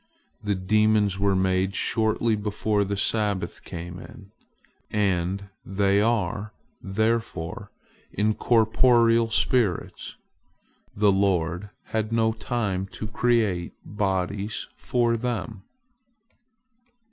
The demons were made shortly before the Sabbath came in, and they are, therefore, incorporeal spirits—the Lord had no time to create bodies for them.